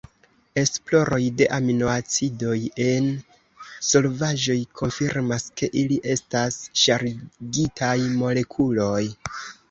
Esploroj de aminoacidoj en solvaĵoj konfirmas ke ili estas ŝargitaj molekuloj.